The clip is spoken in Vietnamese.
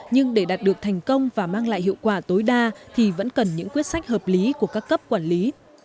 nhưng để đạt được thành công và mang lại hiệu quả tối đa thì vẫn cần những quyết sách hợp lý của các cấp quản lý